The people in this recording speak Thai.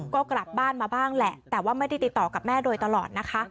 ก็กลับบ้านมาบ้างแหละแต่ว่าไม่ได้ติดต่อกับแม่โดยตลอดนะคะ